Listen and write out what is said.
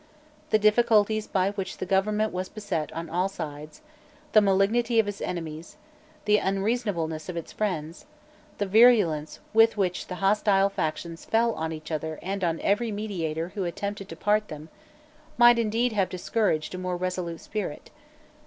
The difficulties by which the government was beset on all sides, the malignity of its enemies, the unreasonableness of its friends, the virulence with which the hostile factions fell on each other and on every mediator who attempted to part them, might indeed have discouraged a more resolute spirit.